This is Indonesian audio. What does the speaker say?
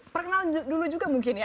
perkenal dulu juga mungkin ya